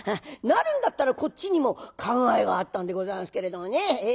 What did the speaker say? なるんだったらこっちにも考えがあったんでございますけれどもね。